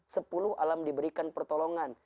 sepuluh alam diberikan pertolongan